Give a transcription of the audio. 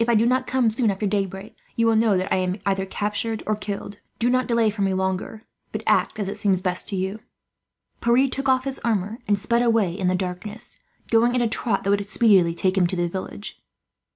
If I do not come soon after daybreak, you will know that I am either captured or killed. Do not delay for me longer, but act as seems best to you." Pierre took off his armour and sped away in the darkness, going at a trot that would speedily take him to the village.